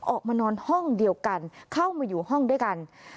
ออกมานอนห้องเดียวกันเข้ามาอยู่ห้องด้วยกัน